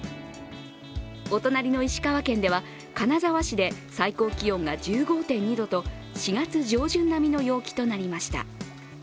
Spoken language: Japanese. お隣の石川県では金沢市で最高気温が１５．２度と４月上旬並みの陽気となりました。